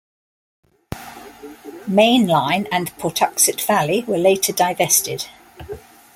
Maine Line and Pawtuxet Valley were later divested.